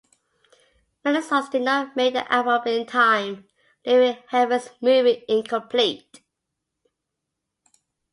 Many songs did not make the album in time, leaving "Heaven'z Movie" incomplete.